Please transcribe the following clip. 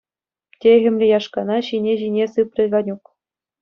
Техӗмлӗ яшкана ҫине-ҫине сыпрӗ Ванюк.